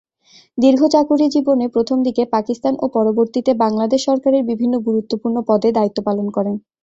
দীর্ঘ চাকুরি জীবনের প্রথমদিকে পাকিস্তান ও পরবর্তীতে বাংলাদেশ সরকারের বিভিন্ন গুরুত্বপূর্ণ পদে দায়িত্ব পালন করেন।